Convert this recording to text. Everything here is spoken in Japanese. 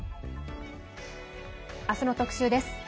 あすの特集です。